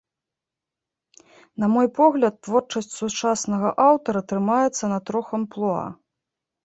На мой погляд, творчасць сучаснага аўтара трымаецца на трох амплуа.